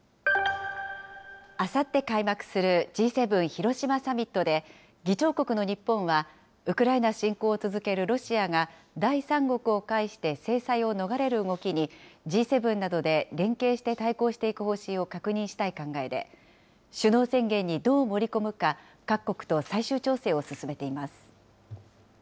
あさって開幕するＧ７広島サミットで、議長国の日本は、ウクライナ侵攻を続けるロシアが第三国を介して制裁を逃れる動きに、Ｇ７などで連携して対抗していく方針を確認したい考えで、首脳宣言にどう盛り込むか、各国と最終調整を進めています。